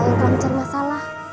yang telah mencari masalah